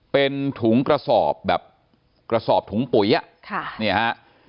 เป็นถุงกระสอบแบบกระสอบถุงปุ๋ยอ่ะค่ะเนี่ยฮะ